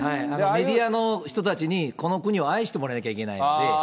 メディアの人たちにこの国を愛してもらわないといけないんで。